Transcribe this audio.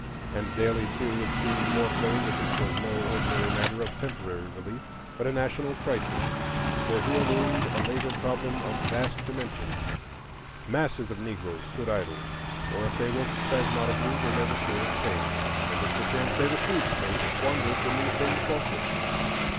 And daily, too, it seemed more plain that this was no ordinary matter of temporary relief, but a national crisis; for here loomed a labor problem of vast dimensions. Masses of Negroes stood idle, or, if they worked spasmodically, were never sure of pay; and if perchance they received pay, squandered the new thing thoughtlessly.